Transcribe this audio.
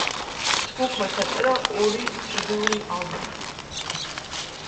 ჯგუფმა ჩაწერა ორი სტუდიური ალბომი.